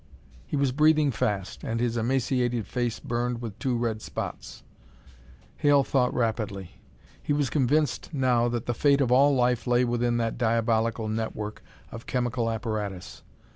He was breathing fast, and his emaciated face burned with two red spots. Hale thought rapidly. He was convinced now that the fate of all life lay within that diabolical network of chemical apparatus.